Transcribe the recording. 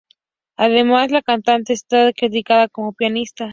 Además, la cantante está acreditada como pianista.